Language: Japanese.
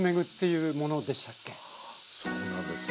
はそうなんですよ。